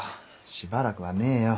しばらくはねえよ。